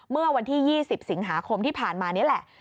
เมื่อวันที่๒๐สิงหาคมที่ผ่านมานี่แหละ